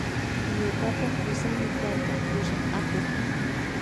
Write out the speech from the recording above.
Ñuka kusami karka pushak apuk.